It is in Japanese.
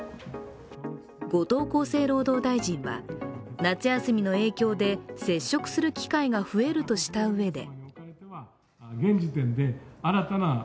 後藤厚労大臣は夏休みの影響で接触する機会が増えるとしたうえで。